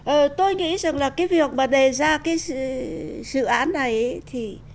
ờ tôi nghĩ rằng là cái việc mà đề ra cái dự án này thì